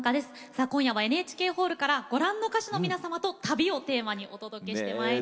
さあ今夜はＮＨＫホールからご覧の歌手の皆様と「旅」をテーマにお届けしてまいります。